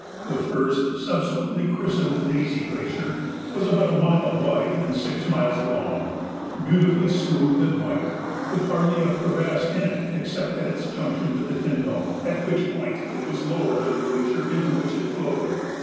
The first, subsequently christened the Daisy Glacier, was about a mile wide and six miles long, beautifully smooth and white, with hardly a crevasse in it except at its junction with the Tyndall, at which point it was lower than the glacier into which it flowed.